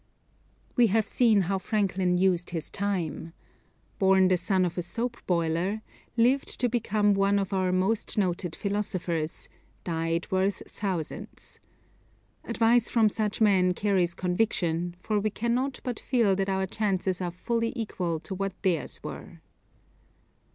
We have seen how Franklin used his time. Born the son of a soap boiler, lived to become one of our most noted philosophers, died worth thousands. Advice from such men carries conviction, for we cannot but feel that our chances are fully equal to what theirs were.